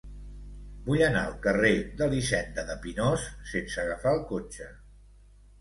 Vull anar al carrer d'Elisenda de Pinós sense agafar el cotxe.